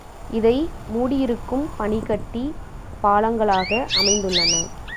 இதை மூடியிருக்கும் பனிக்கட்டி, பாளங்களாக அமைந்துள்ளன.